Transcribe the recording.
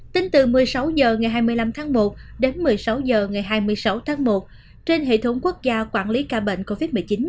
tính từ một mươi sáu h ngày hai mươi năm tháng một đến một mươi sáu h ngày hai mươi sáu tháng một trên hệ thống quốc gia quản lý ca bệnh covid một mươi chín